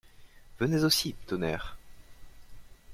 Venez aussi, tonnerre!